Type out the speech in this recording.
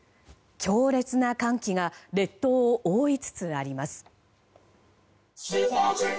強烈な寒気が列島を覆いつつあります。